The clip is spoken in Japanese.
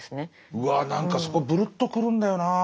うわ何かそこぶるっとくるんだよな。